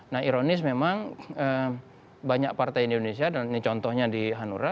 nah ironis memang banyak partai di indonesia dan ini contohnya di hanura